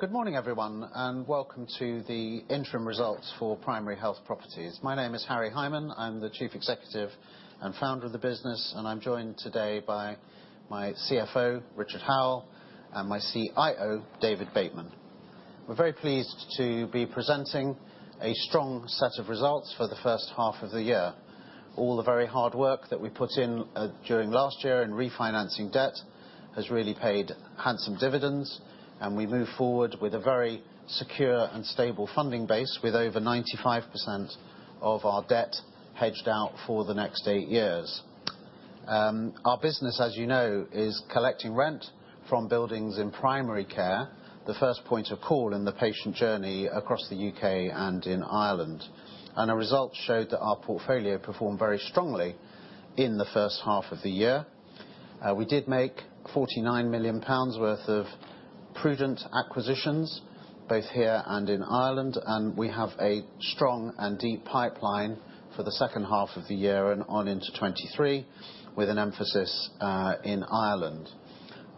Good morning, everyone, and welcome to the interim results for Primary Health Properties. My name is Harry Hyman, I'm the Chief Executive and Founder of the business, and I'm joined today by my CFO, Richard Howell and my CIO, David Bateman. We're very pleased to be presenting a strong set of results for the first half of the year. All the very hard work that we put in during last year in refinancing debt has really paid handsome dividends, and we move forward with a very secure and stable funding base with over 95% of our debt hedged out for the next eight years. Our business, as you know, is collecting rent from buildings in primary care, the first point of call in the patient journey across the U.K. and in Ireland. Our results showed that our portfolio performed very strongly in the first half of the year. We did make 49 million pounds worth of prudent acquisitions, both here and in Ireland, and we have a strong and deep pipeline for the second half of the year and on into 2023, with an emphasis in Ireland.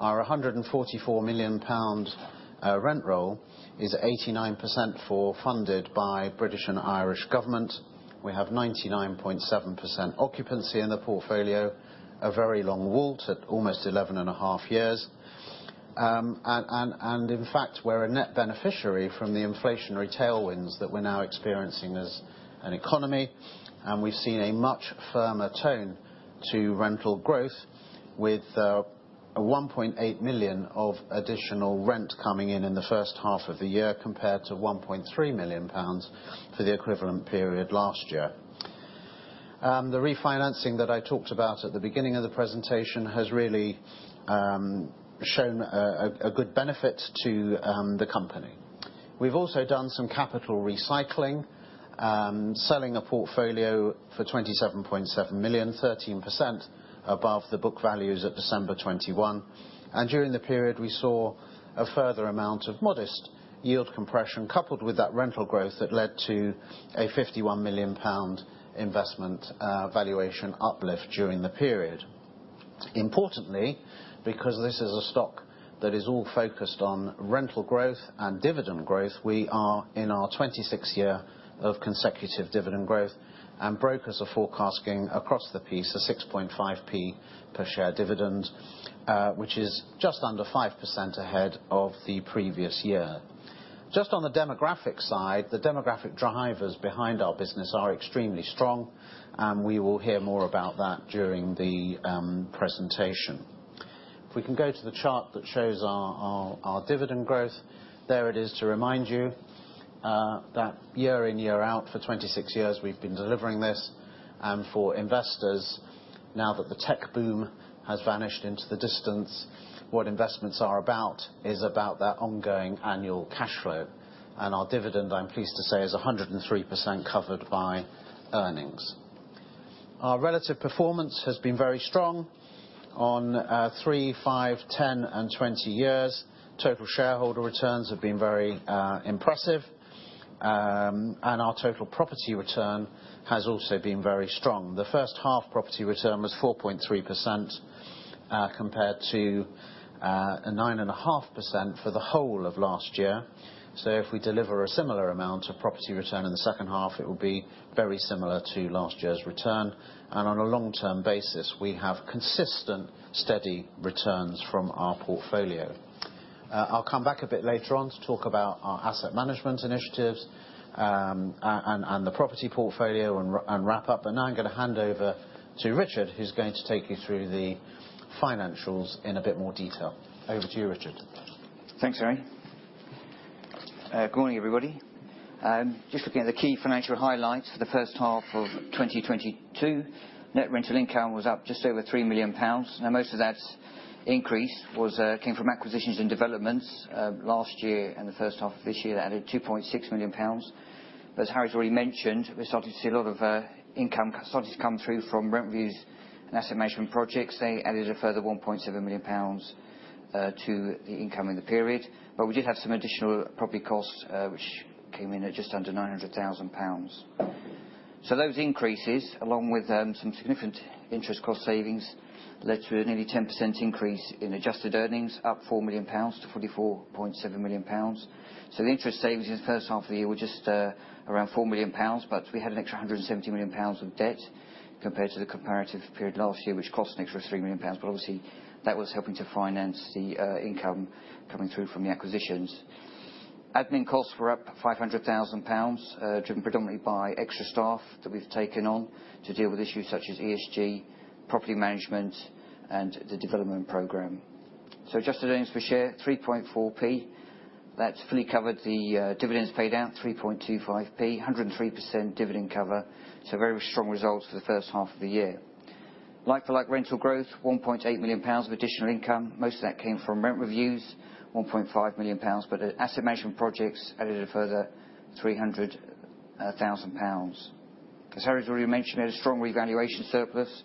Our 144 million pounds rent roll is 89% funded by British and Irish government. We have 99.7% occupancy in the portfolio, a very long WAULT at almost 11.5 years. In fact, we're a net beneficiary from the inflationary tailwinds that we're now experiencing as an economy, and we've seen a much firmer tone to rental growth with 1.8 million of additional rent coming in in the first half of the year, compared to 1.3 million pounds for the equivalent period last year. The refinancing that I talked about at the beginning of the presentation has really shown a good benefit to the company. We've also done some capital recycling, selling a portfolio for 27.7 million, 13% above the book values at December 2021. During the period, we saw a further amount of modest yield compression coupled with that rental growth that led to a 51 million pound investment valuation uplift during the period. Importantly, because this is a stock that is all focused on rental growth and dividend growth, we are in our 26th year of consecutive dividend growth, and brokers are forecasting across the piece a 6.5p per share dividend, which is just under 5% ahead of the previous year. Just on the demographic side, the demographic drivers behind our business are extremely strong, and we will hear more about that during the presentation. If we can go to the chart that shows our dividend growth, there it is to remind you that year in, year out for 26 years we've been delivering this. For investors, now that the tech boom has vanished into the distance, what investments are about is about that ongoing annual cash flow. Our dividend, I'm pleased to say, is 103% covered by earnings. Our relative performance has been very strong on three, five, 10, and 20 years. Total shareholder returns have been very impressive. Our total property return has also been very strong. The first half property return was 4.3% compared to 9.5% for the whole of last year. If we deliver a similar amount of property return in the second half, it will be very similar to last year's return. On a long-term basis, we have consistent steady returns from our portfolio. I'll come back a bit later on to talk about our asset management initiatives, and the property portfolio and wrap up. Now I'm gonna hand over to Richard, who's going to take you through the financials in a bit more detail. Over to you, Richard. Thanks, Harry. Good morning, everybody. Just looking at the key financial highlights for the first half of 2022, net rental income was up just over 3 million pounds. Most of that increase came from acquisitions and developments last year and the first half of this year, that added 2.6 million pounds. As Harry's already mentioned, we started to see a lot of income started to come through from rent reviews and asset management projects. They added a further 1.7 million pounds to the income in the period. We did have some additional property costs, which came in at just under 900,000 pounds. Those increases, along with some significant interest cost savings, led to a nearly 10% increase in adjusted earnings, up 4 million-44.7 million pounds. The interest savings in the first half of the year were just around 4 million pounds, but we had an extra 170 million pounds of debt compared to the comparative period last year, which cost an extra 3 million pounds. Obviously, that was helping to finance the income coming through from the acquisitions. Admin costs were up 500,000 pounds, driven predominantly by extra staff that we've taken on to deal with issues such as ESG, property management, and the development program. Adjusted earnings per share, 3.4p. That's fully covered the dividends paid out, 3.25p, 103% dividend cover, so very strong results for the first half of the year. Like-for-like rental growth, 1.8 million pounds of additional income. Most of that came from rent reviews, 1.5 million pounds, but asset management projects added a further 300,000 pounds. As Harry's already mentioned, we had a strong revaluation surplus,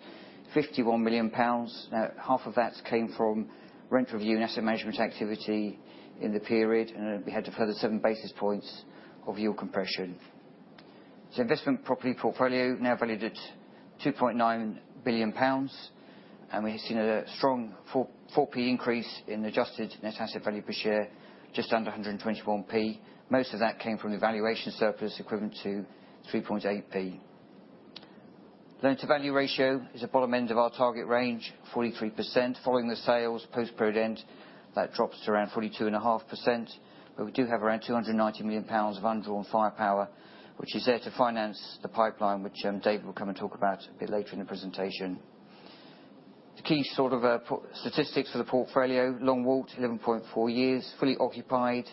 51 million pounds. Now, half of that came from rent review and asset management activity in the period, and we had a further seven basis points of yield compression. It's investment property portfolio now valued at 2.9 billion pounds, and we've seen a strong 4.4p increase in adjusted net asset value per share just under 121p. Most of that came from the valuation surplus equivalent to 3.8p. Loan-to-value ratio is at bottom end of our target range, 43%. Following the sales post-period end, that drops to around 42.5%, but we do have around 290 million pounds of undrawn firepower, which is there to finance the pipeline, which David will come and talk about a bit later in the presentation. The key statistics for the portfolio, long WAULT, 11.4 years, fully occupied.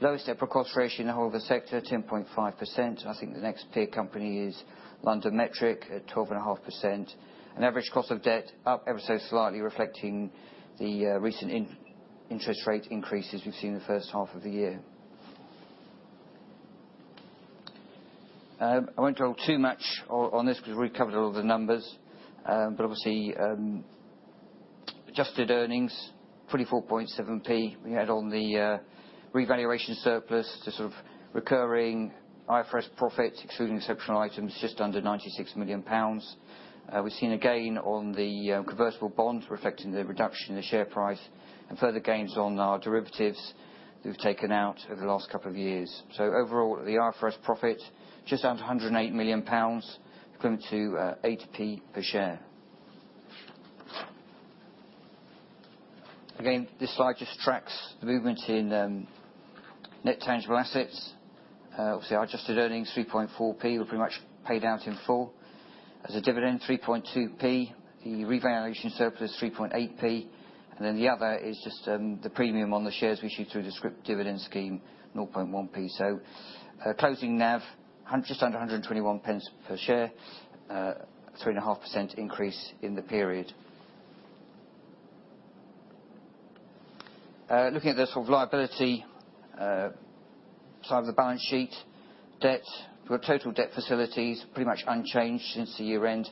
Lowest LTV in the whole of the sector, 10.5%. I think the next peer company is LondonMetric at 12.5%. Average cost of debt up ever so slightly reflecting the recent interest rate increases we've seen in the first half of the year. I won't draw too much on this because we've covered a lot of the numbers, but obviously, adjusted earnings, 24.7p, we had on the revaluation surplus to sort of recurring IFRS profit, excluding exceptional items, just under £96 million. We've seen a gain on the convertible bond reflecting the reduction in the share price and further gains on our derivatives that we've taken out over the last couple of years. Overall, the IFRS profit, just under 108 million pounds equivalent to 8p per share. Again, this slide just tracks the movement in net tangible assets. Obviously, our adjusted earnings, 3.4p, were pretty much paid out in full. As a dividend, 3.2p. The revaluation surplus, 3.8p. And then the other is just the premium on the shares we issue through the scrip dividend scheme, 0.1p. Closing NAV, just under 121 pence per share. 3.5% increase in the period. Looking at the sort of liability side of the balance sheet, debt. We have total debt facilities, pretty much unchanged since the year-end,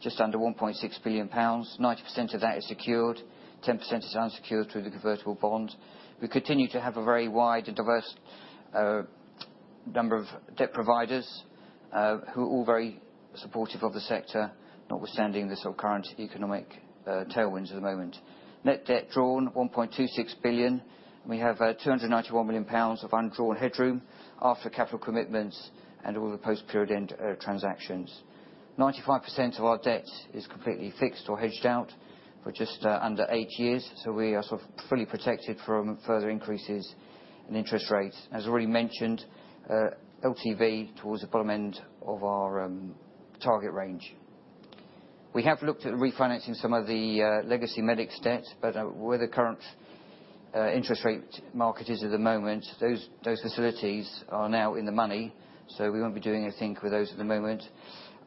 just under 1.6 billion pounds. 90% of that is secured. 10% is unsecured through the convertible bond. We continue to have a very wide and diverse number of debt providers who are all very supportive of the sector, notwithstanding this sort of current economic headwinds at the moment. Net debt drawn, 1.26 billion. We have 291 million pounds of undrawn headroom after capital commitments and all the post-period transactions. 95% of our debt is completely fixed or hedged out for just under 8 years, so we are sort of fully protected from further increases in interest rates. As already mentioned, LTV towards the bottom end of our target range. We have looked at refinancing some of the legacy MedicX debt, but where the current interest rate market is at the moment, those facilities are now in the money, so we won't be doing anything with those at the moment.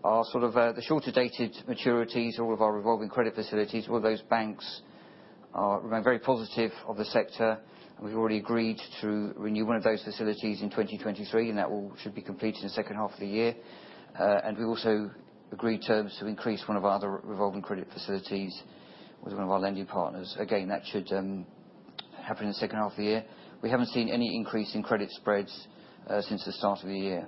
Our sort of the shorter-dated maturities, all of our revolving credit facilities, all those banks remain very positive on the sector, and we've already agreed to renew one of those facilities in 2023, and that should all be completed in the second half of the year. We also agreed terms to increase one of our other revolving credit facilities with one of our lending partners. Again, that should happen in the second half of the year. We haven't seen any increase in credit spreads since the start of the year.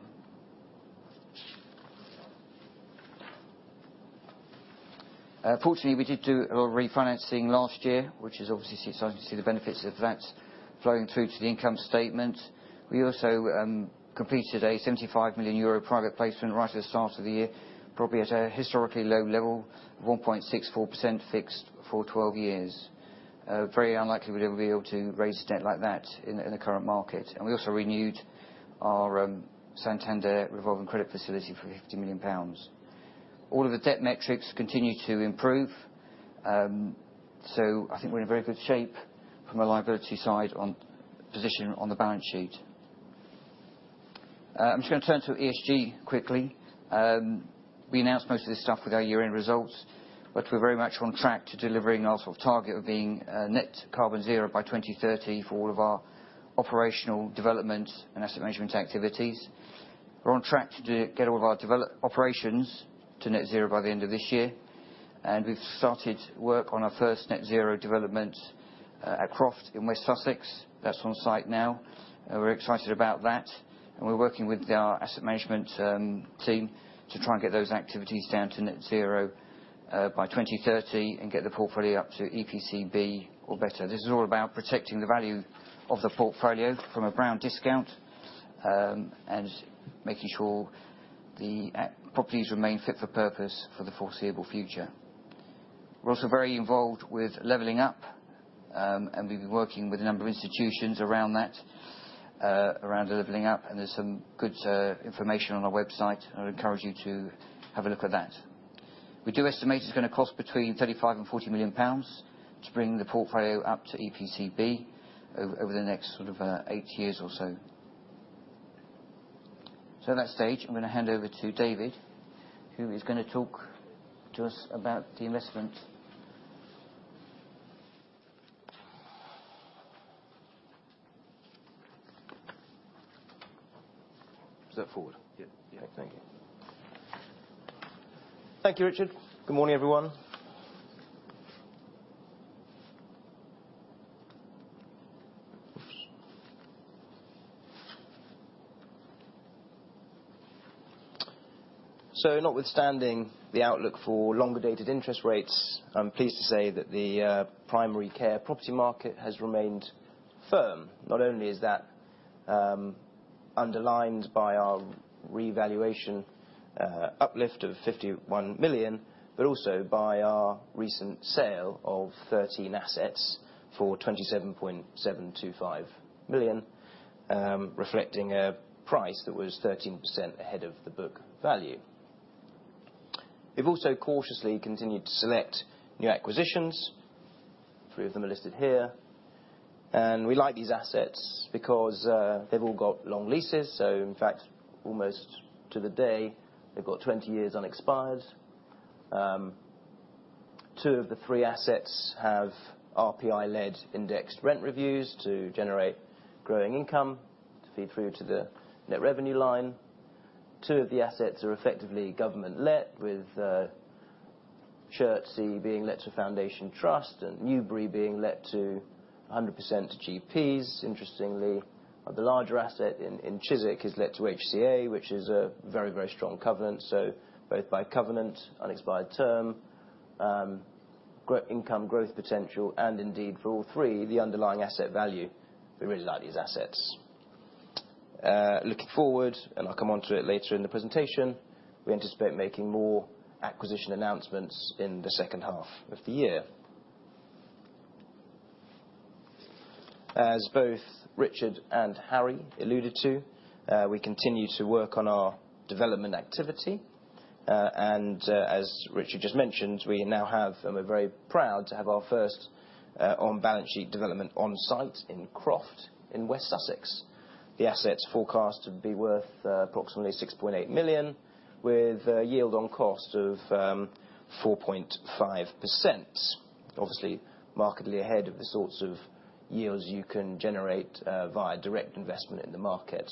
Fortunately, we did do a refinancing last year, which is obviously starting to see the benefits of that flowing through to the income statement. We also completed a 75 million euro private placement right at the start of the year, probably at a historically low level of 1.64% fixed for 12 years. Very unlikely we'll ever be able to raise debt like that in the current market. We also renewed our Santander revolving credit facility for 50 million pounds. All of the debt metrics continue to improve. I think we're in very good shape from a liability side on position on the balance sheet. I'm just gonna turn to ESG quickly. We announced most of this stuff with our year-end results, but we're very much on track to delivering our sort of target of being net-zero carbon by 2030 for all of our operational development and asset management activities. We're on track to get all of our development operations to net-zero by the end of this year. We've started work on our first net-zero development at Croft in West Sussex. That's on site now. We're excited about that. We're working with our asset management team to try and get those activities down to net-zero by 2030 and get the portfolio up to EPC-B or better. This is all about protecting the value of the portfolio from a brown discount and making sure the properties remain fit for purpose for the foreseeable future. We're also very involved with Levelling Up. We've been working with a number of institutions around that, around Levelling Up, and there's some good information on our website. I would encourage you to have a look at that. We do estimate it's gonna cost between 35 million and 40 million pounds to bring the portfolio up to EPC-B over the next sort of eight years or so. At that stage, I'm gonna hand over to David, who is gonna talk to us about the investment. Is that forward? Yeah. Yeah. Thank you. Thank you, Richard. Good morning, everyone. Notwithstanding the outlook for longer-dated interest rates, I'm pleased to say that the primary care property market has remained firm. Not only is that underlined by our revaluation uplift of 51 million, but also by our recent sale of 13 assets for 27.725 million, reflecting a price that was 13% ahead of the book value. We've also cautiously continued to select new acquisitions, three of them are listed here. We like these assets because they've all got long leases, so in fact, almost to the day, they've got 20 years unexpired. Two of the three assets have RPI-led indexed rent reviews to generate growing income to feed through to the net revenue line. Two of the assets are effectively government-let, with Chertsey being let to Foundation Trust, and Newbury being let to 100% to GPs. Interestingly, the larger asset in Chiswick is let to HCA, which is a very, very strong covenant. Both by covenant, unexpired term, income growth potential, and indeed for all three, the underlying asset value, we really like these assets. Looking forward, and I'll come onto it later in the presentation, we anticipate making more acquisition announcements in the second half of the year. As both Richard and Harry alluded to, we continue to work on our development activity. As Richard just mentioned, we now have, and we're very proud to have our first on-balance-sheet development on site in Croft, in West Sussex. The asset's forecast to be worth approximately 6.8 million, with a yield on cost of 4.5%. Obviously, markedly ahead of the sorts of yields you can generate via direct investment in the market.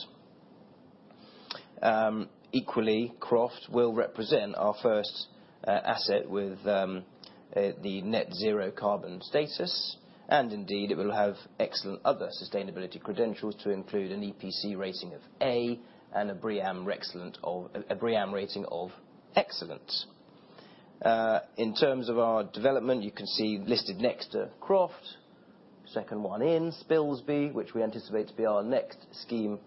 Equally, Croft will represent our first asset with the net-zero carbon status, and indeed, it will have excellent other sustainability credentials to include an EPC rating of A and a BREEAM rating of Excellent. In terms of our development, you can see listed next to Croft, second one in, Spilsby, which we anticipate to be our next scheme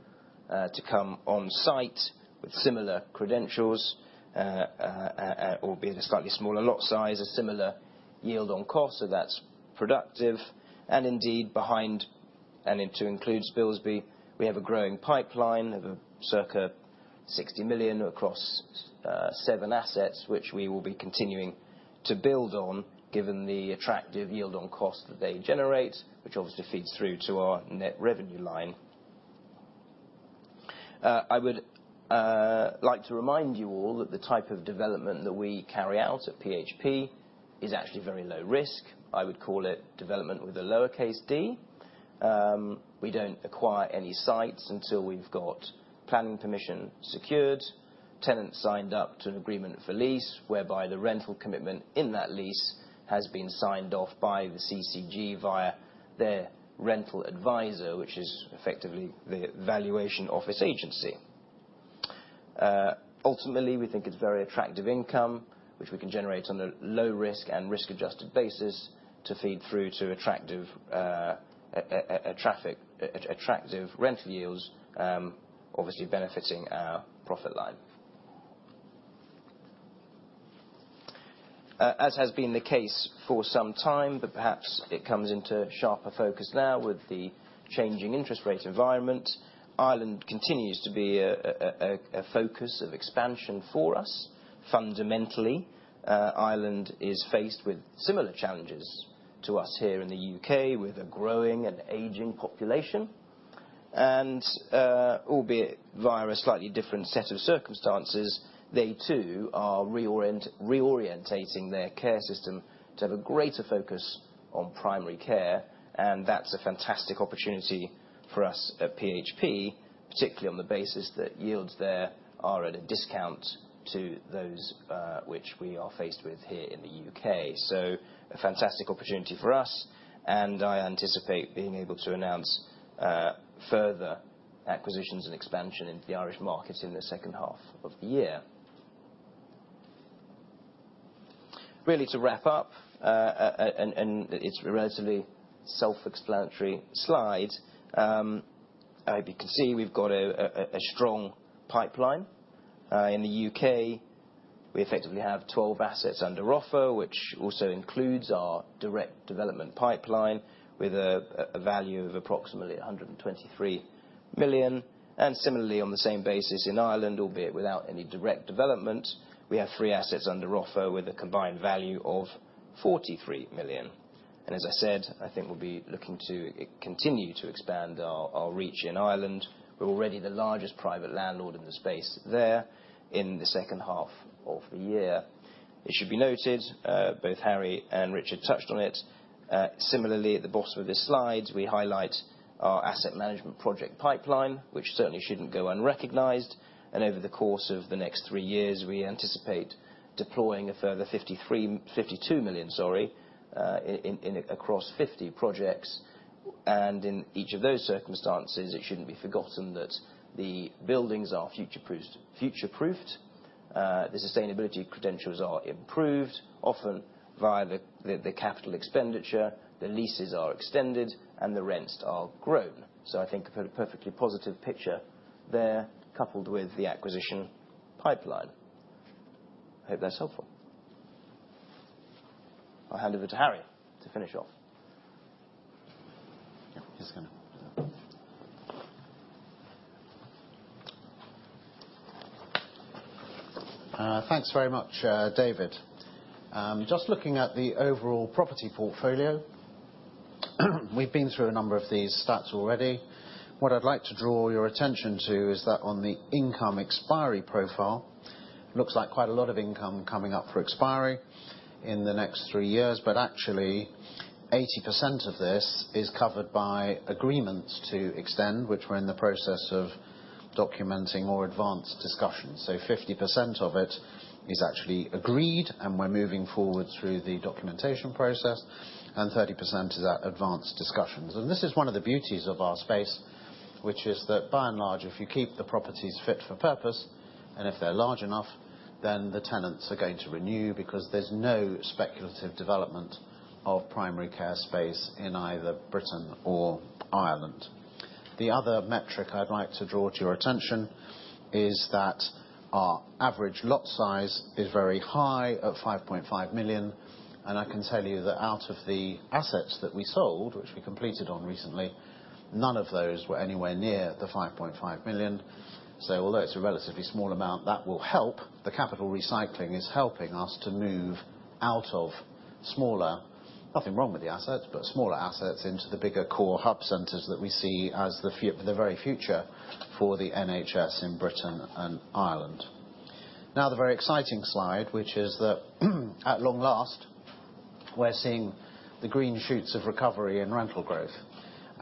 to come on site with similar credentials. Albeit a slightly smaller lot size, a similar yield on cost, so that's productive. Indeed, behind that, including Spilsby, we have a growing pipeline of circa 60 million across seven assets, which we will be continuing to build on given the attractive yield on cost that they generate, which obviously feeds through to our net revenue line. I would like to remind you all that the type of development that we carry out at PHP is actually very low risk. I would call it development with a lowercase D. We don't acquire any sites until we've got planning permission secured, tenants signed up to an agreement for lease, whereby the rental commitment in that lease has been signed off by the CCG via their rental advisor, which is effectively the Valuation Office Agency. Ultimately, we think it's very attractive income, which we can generate on a low risk and risk-adjusted basis to feed through to attractive rental yields, obviously benefiting our profit line. As has been the case for some time, perhaps it comes into sharper focus now with the changing interest rate environment. Ireland continues to be a focus of expansion for us. Fundamentally, Ireland is faced with similar challenges to us here in the U.K. with a growing and aging population. Albeit via a slightly different set of circumstances, they too are reorientating their care system to have a greater focus on primary care, and that's a fantastic opportunity for us at PHP, particularly on the basis that yields there are at a discount to those which we are faced with here in the U.K. A fantastic opportunity for us, and I anticipate being able to announce further acquisitions and expansion into the Irish market in the second half of the year. To wrap up, it's a relatively self-explanatory slide. I hope you can see we've got a strong pipeline. In the U.K., we effectively have 12 assets under offer, which also includes our direct development pipeline with a value of approximately 123 million. Similarly, on the same basis in Ireland, albeit without any direct development, we have three assets under offer with a combined value of 43 million. As I said, I think we'll be looking to continue to expand our reach in Ireland. We're already the largest private landlord in the space there in the second half of the year. It should be noted, both Harry and Richard touched on it, similarly at the bottom of this slide, we highlight our asset management project pipeline, which certainly shouldn't go unrecognized. Over the course of the next three years, we anticipate deploying a further 52 million, sorry, in, across 50 projects. In each of those circumstances, it shouldn't be forgotten that the buildings are future-proofed. The sustainability credentials are improved, often via the capital expenditure, the leases are extended, and the rents are grown. I think a perfectly positive picture there coupled with the acquisition pipeline. Hope that's helpful. I'll hand over to Harry to finish off. Thanks very much, David. Just looking at the overall property portfolio, we've been through a number of these stats already. What I'd like to draw your attention to is that on the income expiry profile, looks like quite a lot of income coming up for expiry in the next three years, but actually 80% of this is covered by agreements to extend, which we're in the process of documenting or advanced discussions. 50% of it is actually agreed, and we're moving forward through the documentation process, and 30% is at advanced discussions. This is one of the beauties of our space, which is that by and large, if you keep the properties fit for purpose, and if they're large enough, then the tenants are going to renew because there's no speculative development of primary care space in either Britain or Ireland. The other metric I'd like to draw to your attention is that our average lot size is very high at 5.5 million, and I can tell you that out of the assets that we sold, which we completed on recently, none of those were anywhere near the 5.5 million. Although it's a relatively small amount, that will help. The capital recycling is helping us to move out of smaller, nothing wrong with the assets, but smaller assets into the bigger core hub centers that we see as the very future for the NHS in Britain and Ireland. Now, the very exciting slide, which is that at long last, we're seeing the green shoots of recovery in rental growth.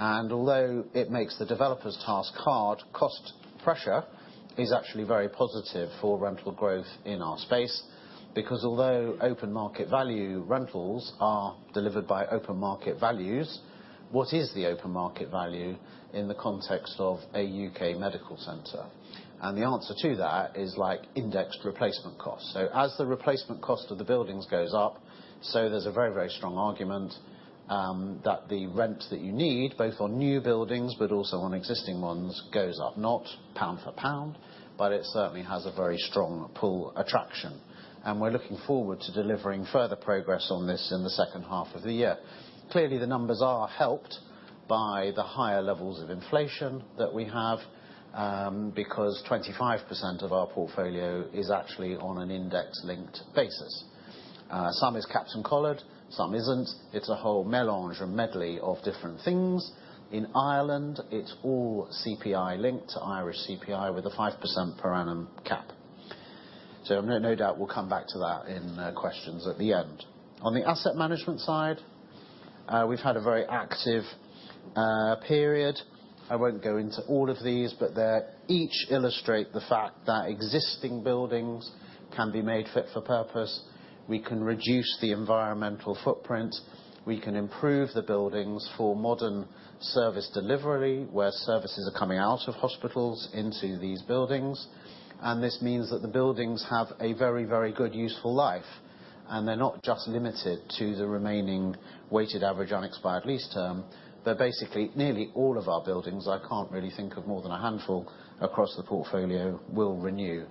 Although it makes the developer's task hard, cost pressure is actually very positive for rental growth in our space. Because although open market value rentals are delivered by open market values, what is the open market value in the context of a U.K. medical center? The answer to that is like indexed replacement cost. As the replacement cost of the buildings goes up, so there's a very, very strong argument that the rent that you need, both on new buildings but also on existing ones, goes up, not pound for pound, but it certainly has a very strong pull attraction. We're looking forward to delivering further progress on this in the second half of the year. Clearly, the numbers are helped by the higher levels of inflation that we have, because 25% of our portfolio is actually on an index-linked basis. Some is capped and collared, some isn't. It's a whole melange or medley of different things. In Ireland, it's all CPI-linked to Irish CPI with a 5% per annum cap. No doubt we'll come back to that in questions at the end. On the asset management side, we've had a very active period. I won't go into all of these, but they each illustrate the fact that existing buildings can be made fit for purpose. We can reduce the environmental footprint, we can improve the buildings for modern service delivery, where services are coming out of hospitals into these buildings. This means that the buildings have a very, very good useful life, and they're not just limited to the remaining weighted average unexpired lease term. Basically, nearly all of our buildings, I can't really think of more than a handful across the portfolio, will renew.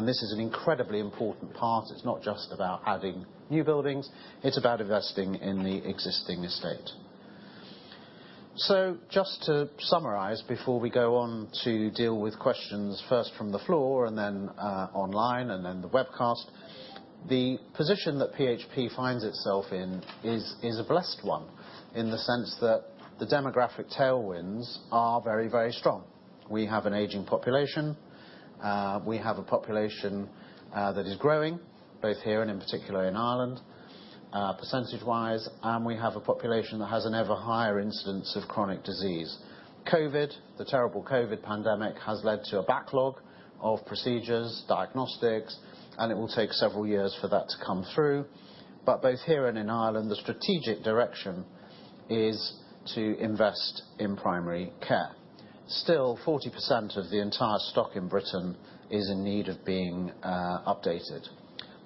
This is an incredibly important part. It's not just about adding new buildings, it's about investing in the existing estate. Just to summarize before we go on to deal with questions, first from the floor and then online and then the webcast. The position that PHP finds itself in is a blessed one in the sense that the demographic tailwinds are very, very strong. We have an aging population, we have a population that is growing both here and in particular in Ireland, percentage-wise, and we have a population that has an ever higher incidence of chronic disease. COVID, the terrible COVID pandemic has led to a backlog of procedures, diagnostics, and it will take several years for that to come through. Both here and in Ireland, the strategic direction is to invest in primary care. Still, 40% of the entire stock in Britain is in need of being updated.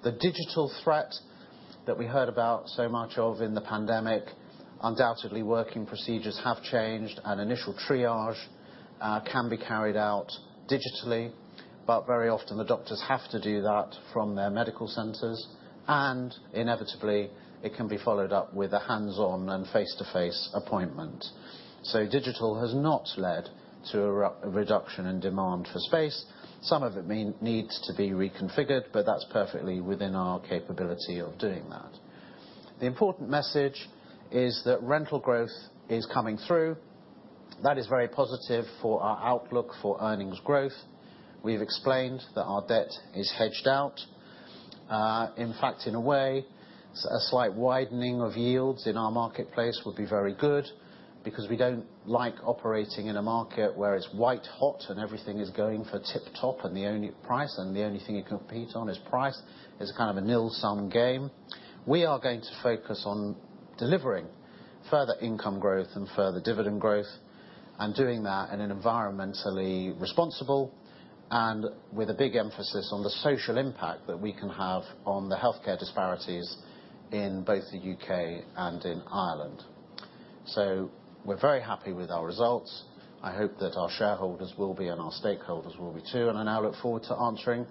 The digital threat that we heard about so much of in the pandemic, undoubtedly, working procedures have changed, and initial triage can be carried out digitally, but very often the doctors have to do that from their medical centers, and inevitably, it can be followed up with a hands-on and face-to-face appointment. Digital has not led to a re-reduction in demand for space. Some of it may need to be reconfigured, but that's perfectly within our capability of doing that. The important message is that rental growth is coming through. That is very positive for our outlook for earnings growth. We've explained that our debt is hedged out. In fact, in a way, a slight widening of yields in our marketplace would be very good because we don't like operating in a market where it's white hot and everything is going for tip-top, and the only price, and the only thing you compete on is price. It's kind of a zero-sum game. We are going to focus on delivering further income growth and further dividend growth. Doing that in an environmentally responsible, and with a big emphasis on the social impact that we can have on the healthcare disparities in both the U.K. and in Ireland. We're very happy with our results. I hope that our shareholders will be, and our stakeholders will be too. I now look forward to answering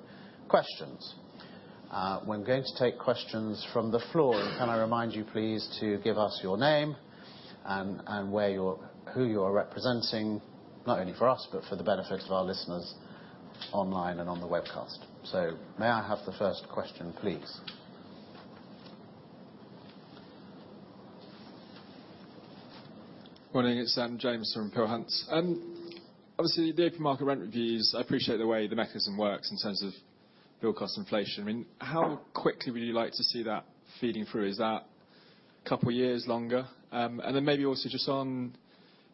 questions. We're going to take questions from the floor. Can I remind you, please, to give us your name and where you're. Who you are representing, not only for us, but for the benefit of our listeners online and on the webcast. May I have the first question, please? Morning, it's James from Peel Hunt. Obviously the open market rent reviews, I appreciate the way the mechanism works in terms of build cost inflation. I mean, how quickly would you like to see that feeding through? Is that a couple years longer? And then maybe also just on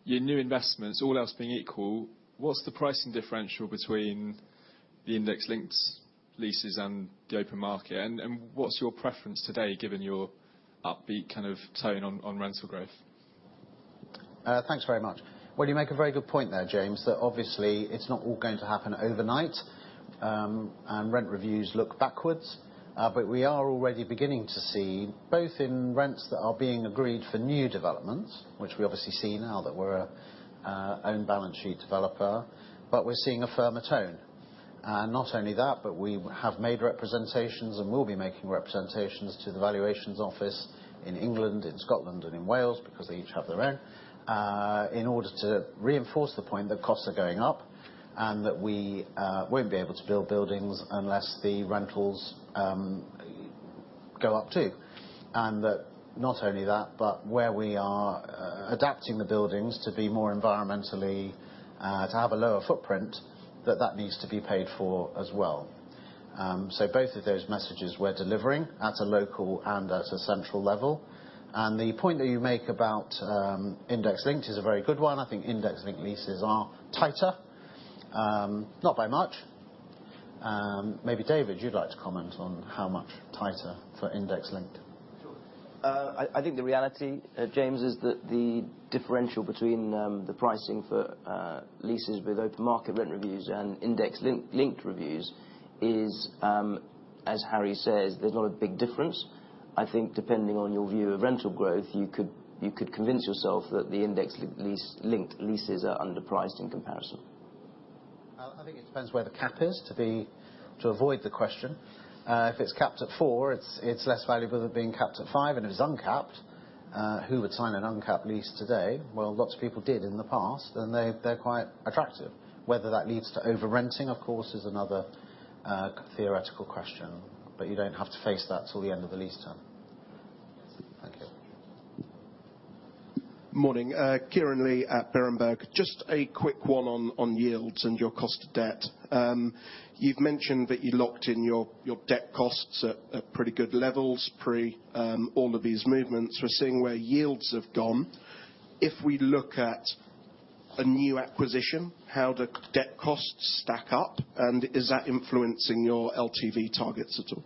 your new investments, all else being equal, what's the pricing differential between the index-linked leases and the open market? And what's your preference today, given your upbeat kind of tone on rental growth? Thanks very much. Well, you make a very good point there, James, that obviously it's not all going to happen overnight. Rent reviews look backwards. We are already beginning to see, both in rents that are being agreed for new developments, which we obviously see now that we're our own balance sheet developer, but we're seeing a firmer tone. Not only that, but we have made representations and we'll be making representations to the Valuation Office in England, in Scotland and in Wales because they each have their own, in order to reinforce the point that costs are going up, and that we won't be able to build buildings unless the rentals go up too. Not only that, but where we are adapting the buildings to be more environmentally to have a lower footprint, that needs to be paid for as well. Both of those messages we're delivering at a local and at a central level. The point that you make about index-linked is a very good one. I think index-linked leases are tighter, not by much. Maybe David, you'd like to comment on how much tighter for index-linked. Sure. I think the reality, James, is that the differential between the pricing for leases with open market rent reviews and index-linked reviews is, as Harry says, there's not a big difference. I think depending on your view of rental growth, you could convince yourself that the index-linked leases are underpriced in comparison. I think it depends where the cap is, to avoid the question. If it's capped at four, it's less valuable than being capped at five. If it's uncapped, who would sign an uncapped lease today? Well, lots of people did in the past, and they're quite attractive. Whether that leads to over-renting, of course, is another theoretical question, but you don't have to face that till the end of the lease term. Thank you. Morning. Kieran Lee at Berenberg. Just a quick one on yields and your cost of debt. You've mentioned that you locked in your debt costs at pretty good levels pre all of these movements we're seeing where yields have gone. If we look at a new acquisition, how the debt costs stack up, and is that influencing your LTV targets at all?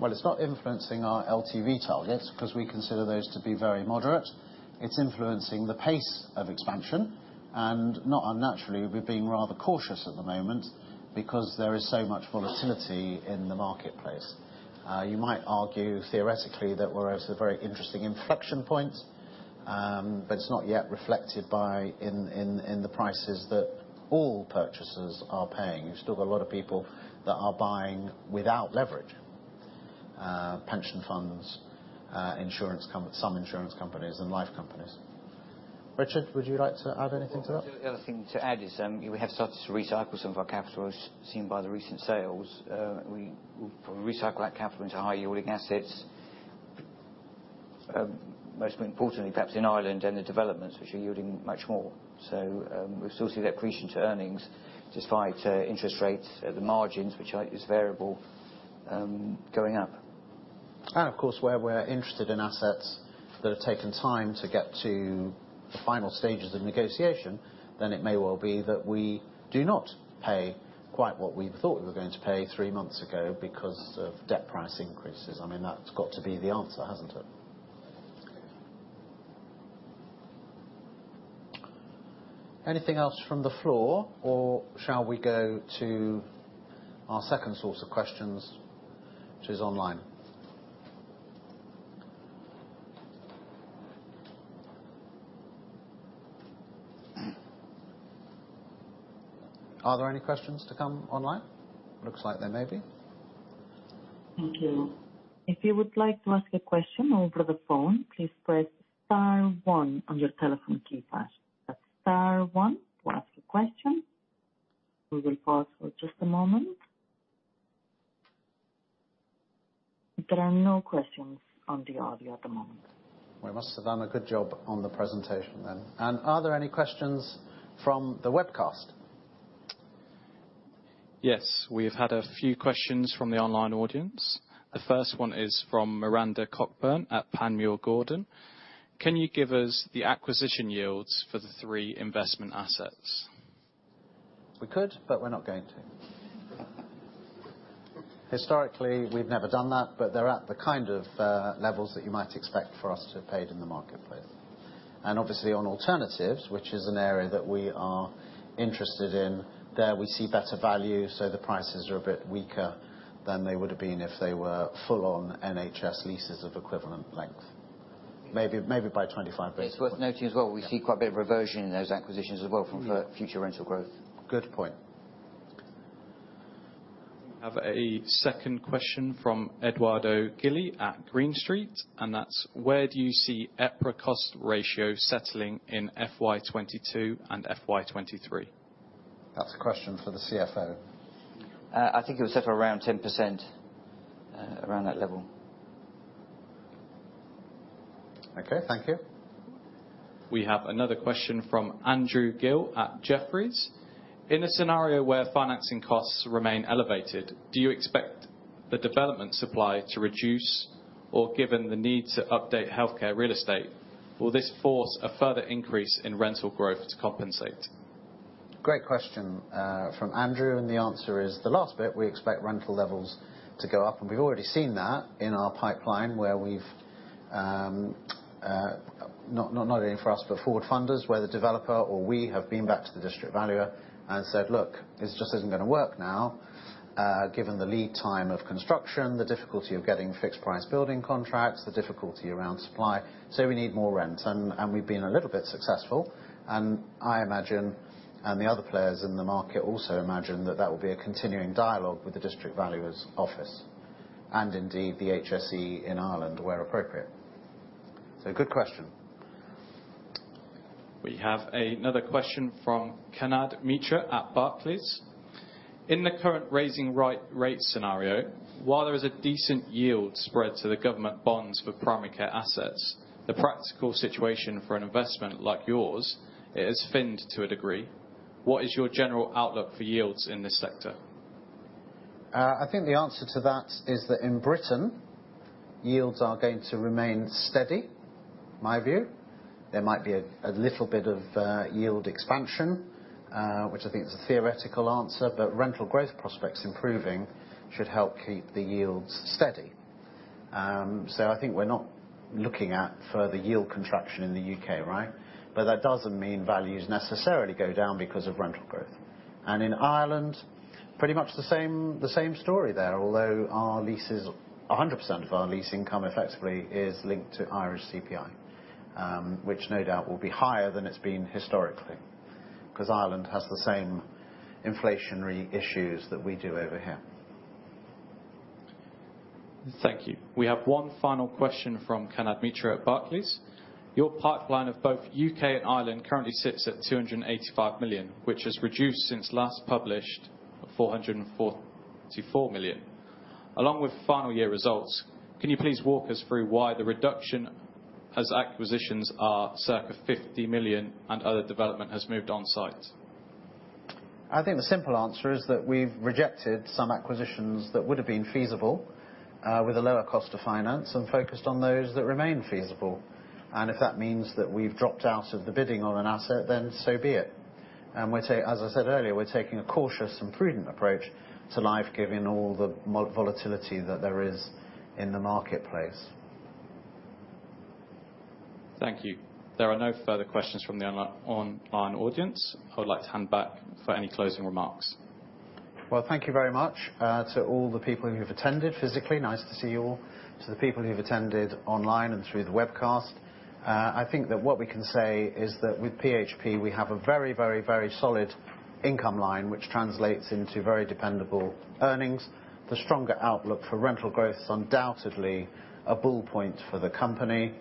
Well, it's not influencing our LTV targets 'cause we consider those to be very moderate. It's influencing the pace of expansion, and not unnaturally, we're being rather cautious at the moment because there is so much volatility in the marketplace. You might argue theoretically that we're at a very interesting inflection point, but it's not yet reflected in the prices that all purchasers are paying. You've still got a lot of people that are buying without leverage. Pension funds, some insurance companies and life companies. Richard, would you like to add anything to that? The other thing to add is, we have started to recycle some of our capital, as seen by the recent sales. We recycle that capital into high yielding assets, most importantly perhaps in Ireland and the developments which are yielding much more. We still see that accretion to earnings despite interest rates, the margins which are variable going up. Of course, where we're interested in assets that have taken time to get to the final stages of negotiation, then it may well be that we do not pay quite what we thought we were going to pay three months ago because of debt price increases. I mean, that's got to be the answer, hasn't it? Anything else from the floor, or shall we go to our second source of questions, which is online? Are there any questions to come online? Looks like there may be. Thank you. If you would like to ask a question over the phone, please press star one on your telephone keypad. That's star one to ask a question. We will pause for just a moment. There are no questions on the audio at the moment. We must have done a good job on the presentation then. Are there any questions from the webcast? Yes, we've had a few questions from the online audience. The first one is from Miranda Cockburn at Panmure Gordon. Can you give us the acquisition yields for the three investment assets? We could, but we're not going to. Historically, we've never done that, but they're at the kind of levels that you might expect for us to have paid in the marketplace. Obviously on alternatives, which is an area that we are interested in, there we see better value, so the prices are a bit weaker than they would have been if they were full on NHS leases of equivalent length. Maybe by 25 basis points. It's worth noting as well, we see quite a bit of reversion in those acquisitions as well from future rental growth. Good point. We have a second question from Edoardo Gili at Green Street, and that's: Where do you see EPRA cost ratio settling in FY 2022 and FY 2023? That's a question for the CFO. I think it was set for around 10%. Around that level. Okay, thank you. We have another question from Andrew Gill at Jefferies: In a scenario where financing costs remain elevated, do you expect the development supply to reduce? Or given the need to update healthcare real estate, will this force a further increase in rental growth to compensate? Great question from Andrew. The answer is the last bit, we expect rental levels to go up, and we've already seen that in our pipeline, where we've not only for us, but forward funders, where the developer or we have been back to the district valuer and said, "Look, this just isn't gonna work now, given the lead time of construction, the difficulty of getting fixed price building contracts, the difficulty around supply, so we need more rent." We've been a little bit successful. I imagine the other players in the market also imagine that that will be a continuing dialogue with the district valuer's office and indeed the HSE in Ireland, where appropriate. Good question. We have another question from Kanad Mitra at Barclays: In the current rising rate scenario, while there is a decent yield spread to the government bonds for primary care assets, the practical situation for an investment like yours is pinned to a degree. What is your general outlook for yields in this sector? I think the answer to that is that in Britain, yields are going to remain steady, my view. There might be a little bit of yield expansion, which I think is a theoretical answer, but rental growth prospects improving should help keep the yields steady. I think we're not looking at further yield contraction in the U.K., right? That doesn't mean values necessarily go down because of rental growth. In Ireland, pretty much the same story there. Although our leases 100% of our lease income effectively is linked to Irish CPI, which no doubt will be higher than it's been historically, 'cause Ireland has the same inflationary issues that we do over here. Thank you. We have one final question from Kanad Mitra at Barclays: Your pipeline of both U.K. and Ireland currently sits at 285 million, which has reduced since last published at 444 million. Along with final year results, can you please walk us through why the reduction as acquisitions are circa 50 million and other development has moved on site? I think the simple answer is that we've rejected some acquisitions that would have been feasible with a lower cost to finance and focused on those that remain feasible. If that means that we've dropped out of the bidding on an asset, then so be it. As I said earlier, we're taking a cautious and prudent approach to life, given all the macro-volatility that there is in the marketplace. Thank you. There are no further questions from the online audience. I would like to hand back for any closing remarks. Well, thank you very much to all the people who've attended physically. Nice to see you all. To the people who've attended online and through the webcast. I think that what we can say is that with PHP, we have a very solid income line which translates into very dependable earnings. The stronger outlook for rental growth is undoubtedly a bull point for the company.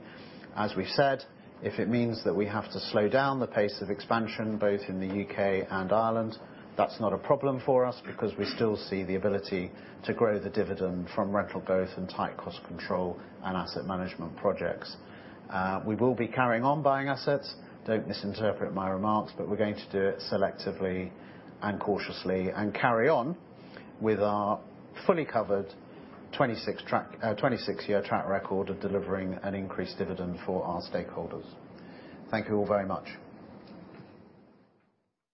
As we've said, if it means that we have to slow down the pace of expansion both in the U.K. and Ireland, that's not a problem for us because we still see the ability to grow the dividend from rental growth and tight cost control and asset management projects. We will be carrying on buying assets. Don't misinterpret my remarks, but we're going to do it selectively and cautiously and carry on with our fully covered 26-year track record of delivering an increased dividend for our stakeholders. Thank you all very much.